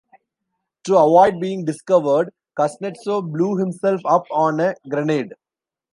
To avoid being discovered, Kuznetsov blew himself up on a grenade.